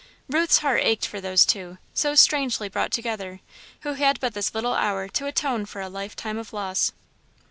Ruth's heart ached for those two, so strangely brought together, who had but this little hour to atone for a lifetime of loss.